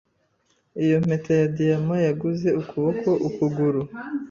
Iyo mpeta ya diyama yaguze ukuboko ukuguru.